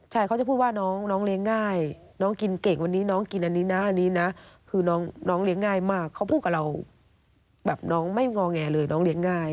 ใช่เขาจะพูดว่าน้องเลี้ยงง่ายน้องกินเก่งวันนี้น้องกินอันนี้นะอันนี้นะคือน้องเลี้ยงง่ายมากเขาพูดกับเราแบบน้องไม่งอแงเลยน้องเลี้ยงง่าย